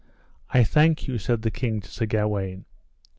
I thank you, said the king to Sir Gawaine.